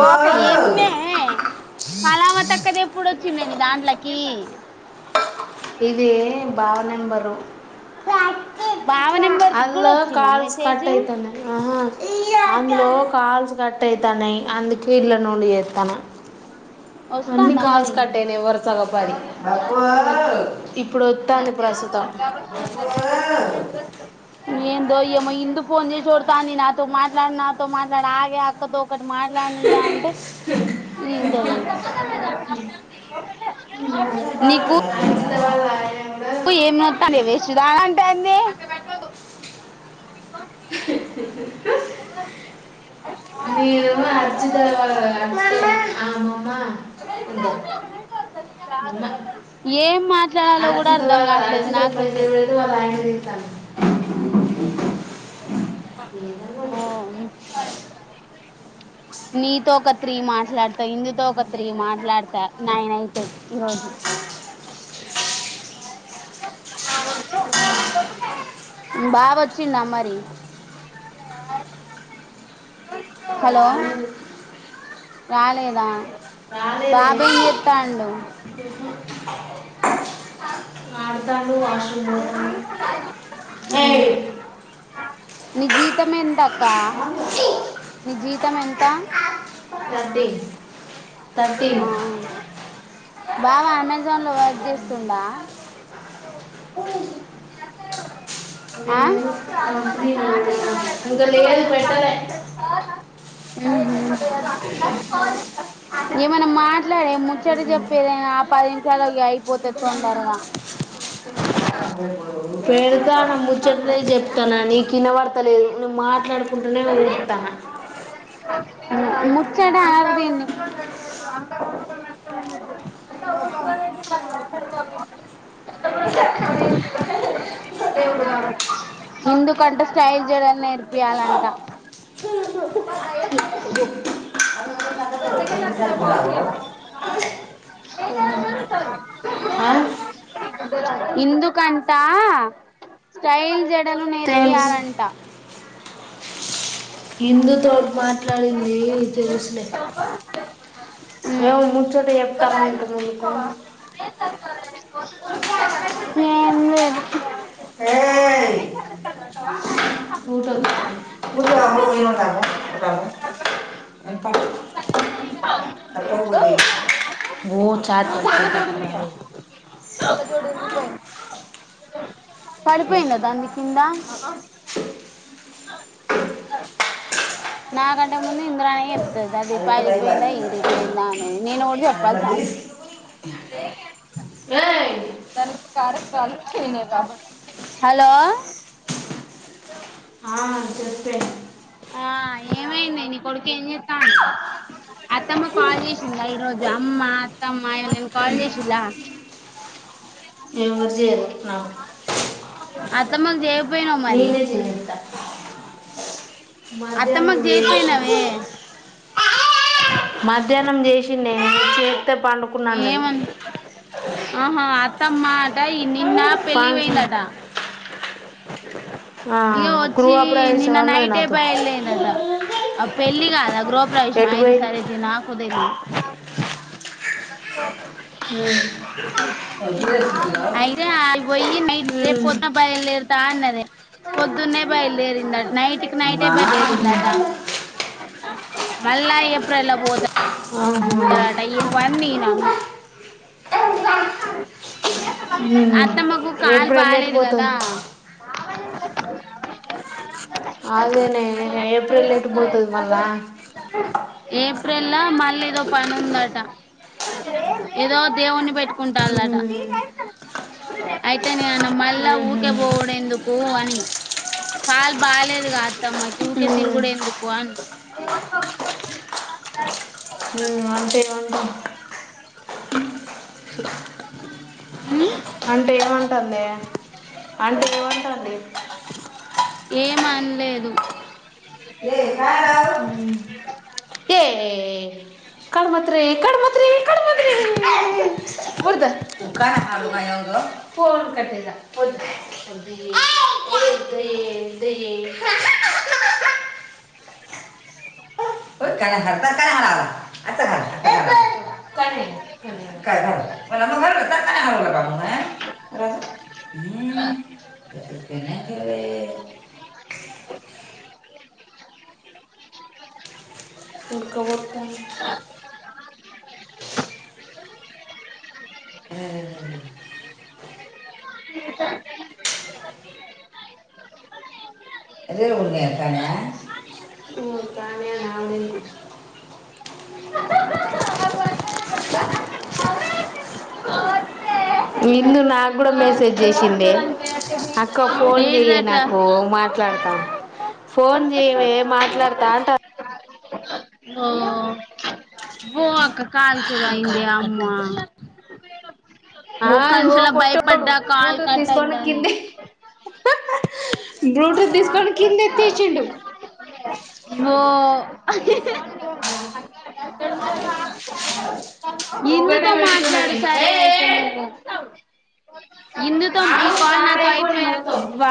ఓ అక్క ఎన్నే కళావతక్కది ఎప్పుడు వచ్చిందే నీదాంట్లకి. ఇదే బావ నెంబరు బావ నెంబర్ అల్ల కూడా వచ్చిందా కాల్స్ మెసేజ్ కట్ అయితున్నయ్. అహా అందులో కాల్స్ కట్ అయితనయ్ అందుకే ఇళ్ళ నుండి జేత్తన్నా అన్ని వస్తాందా కాల్స్ మరి కట్టైన్నయ్ వరుసగా పది ఇప్పుడు వస్తుంది ప్రస్తుతం ఏంద్ దో ఏమో ఇందు ఫోన్ జేసి వర్తాంది నాతో మాట్లాడు నాతో మాట్లాడు ఆగే అక్కతో ఒకటి మాట్లాడినీయ్యే అంటే ఇంక్ ఎవల్లేరు నీకు తెల్వదాయే ప్పు ఏం నొత్తానయ్ వేస్ సుదా అంటాందే. నేను అర్చిత వాళ్ళ అర్చిత- ఆ ఇంద అమ్మ ఏం మాట్లాడాలో కూడా అర్చిత అర్ధం వాళ్ళ కావట్లేదు అర్చిత కు నాకైతే మెసేజ్ పెడితే వాళ్ళ ఆయన తిడతాండు. ఉమ్ నీతో ఒక త్రీ మాట్లాడతా ఇందుతో ఒక త్రీ మాట్లాడతా నైన్ అయితయ్ ఈరోజు అ [inaudible] బావ అచ్చిండా మరి హలో రాలేదు రాలేదా రాలేదే బాబు ఏం చెత్తాండు ఆడతాను ఏయ్ ని జీతం ఎంత అక్క ని జీతం ఎంత థర్టీన్ థర్టీన్ ఆ బావ అమెజాన్ లో వర్క్ చేస్తుండ అ లేదు కంపెనీలో పెడదామా ఇంకా లేదు పెడతారు పెట్టలే చెప్పవా [unintelligible] హు హుమ్మ్ ఏమైనా మాట్లాడే ముచ్చట చెప్పు ఏదైనా ఆ పది నిమిషాలు ఇగ అయిపోతది తొందరగా పెడతాన ముచ్చటనే చెప్తాన్న నీకు ఇనబడతలేదు నువ్వు మాట్లాడుకుంటనే ఉడుత్తన ముచ్చడ ఆది నీకు ఎందుకంటే స్టైల్ జడ నేర్పియ్యాలంట ఆ? ఇందుక్ కంట స్టైల్ జడ జడలు తెలుసు నేర్పియ్యాలంట ఇందు తో మాట్లాడింది తెలుసులే ఏమ మ్మ్ ముచ్చట చెప్తాము ఇంత ముందుకు ఏం లేదు ఏయ్ ఆ టటట ఎ చ చల్ల చూడుందిగా [unintelligible] పడిపోయింద దాంది కిింద ఆ ఆ నాకంటే ముందు ఇంద్ర నే చెప్తాది అది పగిలిపోయిందా ఇరిగిపోయిందా అనేది నేను కూడా చెప్పాల్సాన అవసరం లే ఏయ్! దానికి కార్యక్రలు రాబ హలో ఆ, చెప్పే ఆ ఏమైంది నీ కొడుకు ఏం చెత్తాండు అత్తమ్మ కాల్ చేసిందా ఈ రోజు అమ్మ అత్తమ్మ ఎవలైన కాల్ చేసిల్లా ఎవరు చెయ్యరు నాకు అత్తమ్మ కు జే నేనే జినింత అత్తమ్మకు చేసిన చేయపోయినావే మధ్యాహ్నం చేసిన్నే చె ఏమ్ అ ఆహా త్తమ్మ ఆట నిన్న పెళ్ళి వెయిందట అఓే ఇగ వచ్చి నిన్న నైటే నాతో బయలుదేరినట అ పెళ్ళి కాద గృహప్రవేశం ఎటు ఐతే పోయి సరే తీ నాకు తెలి ఆ అయితే ఆల్ పోయ్యి నైట్ ఉమ్. రేపోద్దున బయల్దేర్ తాన్నద పొద్దున్నే బయల్దేరిందట నైట్ కి నైటే అమ్మా బయలుదేరిందట మళ్ళా ఏప్రిల్ల పోతా ఆహ వనీ నేనన్న ఆహా. అ ఏప్పుడేనేట్ పోతది అ అదేనే ఏప్రిల ఎటు పోతది మళ్ళ ఏప్రిల్లా మల్ళిదో పని ఉందట ఏదో దేవున్ని పెట్టుకుంటాళ్ళట ఉమ్. అయితే నేనన్న మళ్ళా ఉహుం. ఊకే పోవుడెందుకు అని కాలు బాలేదు గా అత్తమ్మకి ఊకే ఉమ్. తిరుగుడెందుకు అన్నా ఉమ్. అంటే ఎమంటాంది ఉమ్ ఎమంటందే అంటే ఎమంటాంది ఏమనలేదు ఏ కాదు ఏ [inaudible] [inaudible] అ ఆ ఇందు నాకు కూడా మెసేజ్ చేసిందే అక్క ఫోన్ చెయ్యే ఏంటిదట నాకు మాట్లాడతాన్ ఫోన్ చేయవే మాట్లాడతా అంటా ఓ పోక కాల్కి ఎదో అయ్యింది అమ్మా ఆ ఒ ఇగో కషలా పొట్టోడు భయపడ్డా కాల్ బ్లూటూత్ కట్ తీసుకొని అయిందని కింద [inaudible] బ్లుటూత్ తీసుకోని కింద ఎత్తేసిండు ఓ ఒకటే హిందీతో పెట్టుకున్న మాట్లాడు నేను సరే [inaudible] హిందుతో ఈ కాల్ నాతో అయిపోయక అబ్బా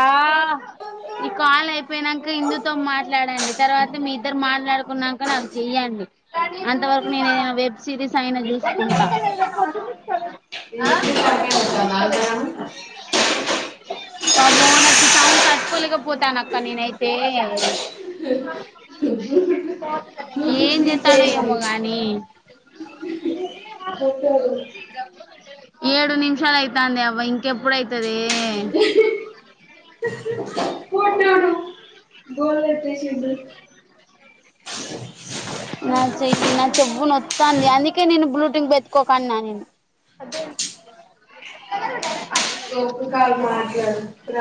ఈ కాల్ అయిపోయినాక హిందుతో మాట్లాడండి తర్వాత మీ ఇద్దరు మాట్లాడుకున్నాక నాకు చెయ్యండి కని అంతవరకు నేననా వెబ్ సిరీస్ సైనా చేసుకుంటా [unintelligible] [inaudible] బాబో నాకు సౌండ్ తట్టుకోలేకపోతాన అక్క నేనైతే బ్లూటూత్ ఏం చేత్తండో తీసేయ్ మరి ఏమో గాని ఏడు నిమిషాలు అయితా అందే అవ్వ ఇంకెప్పుడు అయితదే తీసిండు నా చెయ్యి నా చెవ్వు నొత్తంది అందుకే నేను బ్లూటూత్ పెతుకోకన్నా నేను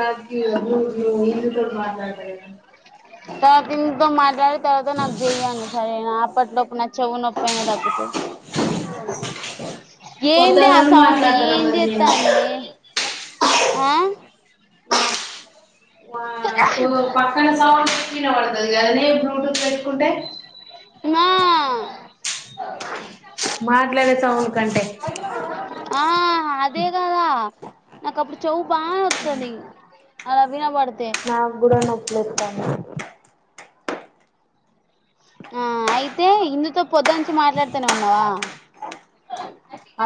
అక్క ఇంగా బూర్లు మీతోటే మాట్లాడిన కదా తర్వాత ఇందు తో మాట్లాడి తర్వాత నాకు చెయ్యండి సరేన అప్పట్లోపు నా చెవ్వు నొప్పి అయినా తగ్గుతది ఏంది పొద్దున ఆ నుండి సౌండ్ మాట్లాడతాను ఏం మరి నేను చేత్తండే ఆ అక్కో పక్కన సౌండ్ కీ ఎం ఇనపడుతది కదనే ఇ బ్లూటూత్ పెట్టుకుంటే ఆ మాట్లాడే సౌండ్ కంటే ఆ అదే కదా నాకు అప్పుడు చెవు బాగా నోత్తది అలా విన పడుత నాకు కూడా నొప్పిలేతంది ఆ అయితే ఇందుతో పొద్దు నుంచి మాట్లాడుతనే ఉన్నావా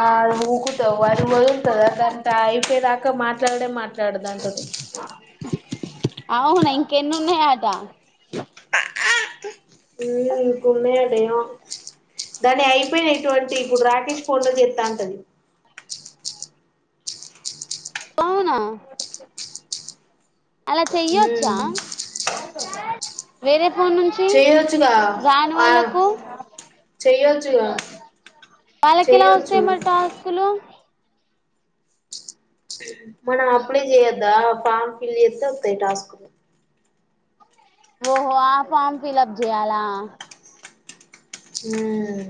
ఆ ఊకుతావ్ అది వదులుతాదా దాని అయిపోయేదాకా ఇక మాట్లాడే మాట్ల ఉంటదట దాంతోటి అవునా ఇంకెనున్నయ్యట హామ్ ఇంక ఉన్నాయట ఏమో దాని అయిపోయినాయి ట్వంటీ ఇప్పుడు రాకేష్ ఫోన్ తో చేత్త అంటది అవునా అలా చెయ్యొచ్చా మ్మ్ వేరే ఫోన్ నుంచి చెయ్యొచ్చుగా రాని ఆ వాళ్ళకు చెయ్యొచ్చుగా వాళ్ళకి ఎలా చెయ్యొచ్చు వస్తాయి మరి టాస్కులు మనం అప్లై చేయొద్దా ఫామ్ ఫిల్ చేస్తే వస్తాయి టాస్క్ లో ఓహో ఆ ఫామ్ ఫిల్ప్ చేయయలా ఆహ్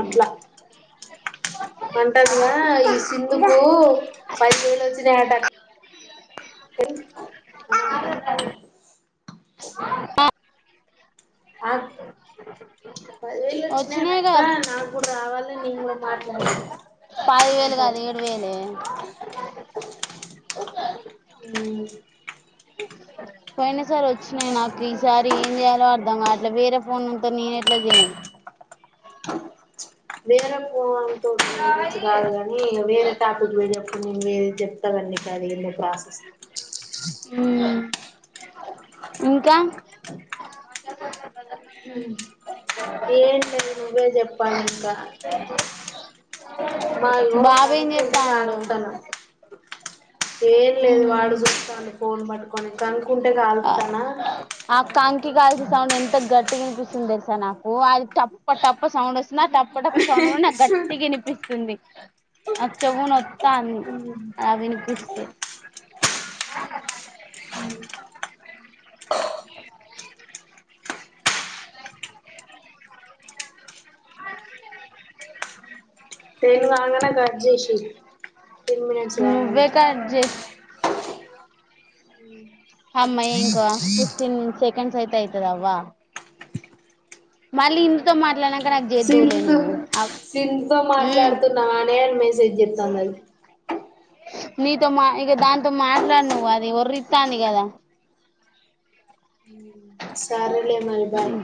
అట్ల అంటందిగా ఈ సింధుకు పది వేలు వచ్చినయట అ కోకు ఆ ఆ పది వేలు వచ్చినయిగని అక్క వచ్చినాయిగా నాకు కూడ రావాలె నిను కూడా మాట్లాడడిన పది వేలు కాదు ఏడు వేలు [unintelligible] పోయినా సారీ వచ్చినయి నాకు ఈసారి ఏం చేయాలో అర్ధం కాట్లే వేరే ఫోన్లతోని నేను ఎట్లా చేయను వేరే ద తో తోంచి కాదు కాని వేరే టాపిక్ పోయినప్పుడు నేను వే చెప్త గని నీకు అది ఎయ్ క్లాసెస్ మ్మ్ ఇంకా అ ఏంటది నువ్వే చెప్పాలె ఇంకా మాది ఇగో బాబు ఏం గంట చేత్తాండు సాగిస్తన్నం ఏం లేదు వాడు చూస్తాండు ఫోన్ పట్టుకొని కనుకుంటే కాలుస్తానా ఆ కంకి కాల్చే సౌండ్ ఎంత గట్టిగ ఇనిపిస్తుంది తెలుసా నాకు అది టప్ప టప్ప సౌండ్ వస్తుంది నాకు అప్పటప్పు సౌడ్ కూడా నాకు గట్టిగా వినిపిస్తుంది నా చెవు నొత్తంది అవి వినిపిస్తుంది [unintelligible] [unintelligible] టెన్ కాంగనే కట్ చేసి ఇయ్యి టెన్ మినిట్స్ కాంగనే నువ్వే కట్ [unintelligible] [unintelligible] అమ్మ ఇంకో ఫిఫ్టీన్ సెకెండ్స్ అయిపోత నీ అవ్వ మళ్ళీ ఇందుతో మాట్లాడా సింత్ సింత్ తో మాట్లాడుతున్నావానే అని మెసేజ్ చేతంది అది నీతో మా ఇగా దాంతో మాట్లాడు నువ్వు అది ఒరితంది కదా సర్లే మరి బాయ్